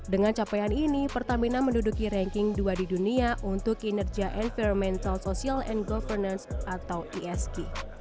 dengan capaian ini pertamina menduduki ranking dua di dunia untuk kinerja environmental social and governance atau isg